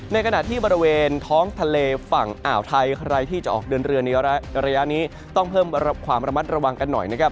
ในขณะที่บริเวณท้องทะเลฝั่งอ่าวไทยใครที่จะออกเดินเรือในระยะนี้ต้องเพิ่มความระมัดระวังกันหน่อยนะครับ